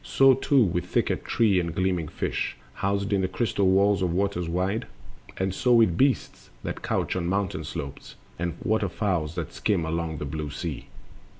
So too with thicket, tree, and gleaming fish Housed in the crystal walls of waters wide; And so with beasts that couch on mountain slopes, And water fowls that skim the long blue sea.